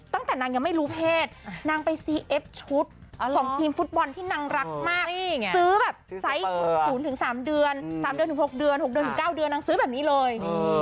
๖เดือนถึง๖เดือน๖เดือนถึง๙เดือนนางซื้อแบบนี้เลย